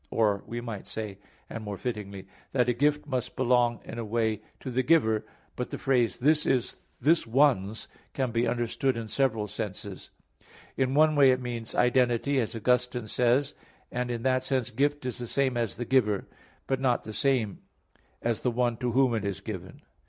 Or we might say, and more fittingly, that a gift must belong in a way to the giver. But the phrase, "this is this one's," can be understood in several senses. In one way it means identity, as Augustine says (In Joan. Tract. xxix); and in that sense "gift" is the same as "the giver," but not the same as the one to whom it is given.